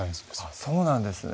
あっそうなんですね